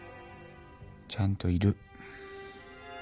ちゃんといる。